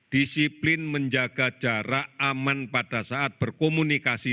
disiplin menjaga jarak aman pada saat berkomunikasi